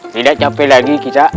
tidak capek lagi kita